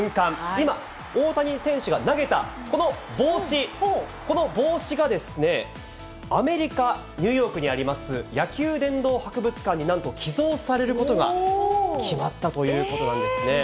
今、大谷選手が投げたこの帽子、この帽子がですね、アメリカ・ニューヨークにあります、野球殿堂博物館になんと寄贈されることが決まったということなんですね。